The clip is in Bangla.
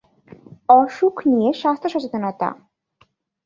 অসুখ নিয়ে স্বাস্থ্য সচেতনতা।